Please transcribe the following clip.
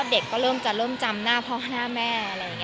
เด็กเริ่มจะจำหน้าพ่อหน้าแม่